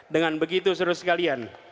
dengan begitu saudara sekalian